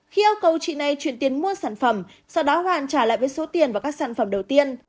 khi yêu cầu chị này chuyển tiền mua sản phẩm sau đó hoàn trả lại với số tiền và các sản phẩm đầu tiên